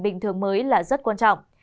bình thường mới là rất quan trọng